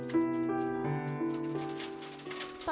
sehingga kekuatan hewan ini bisa diperoleh oleh para pelaku penyiksa hewan